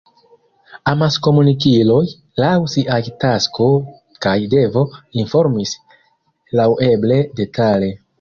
Amaskomunikiloj, laŭ siaj tasko kaj devo, informis laŭeble detale.